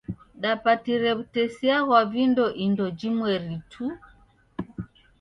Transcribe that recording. Dapatire w'utesia ghwa vindo indo jimweri tu.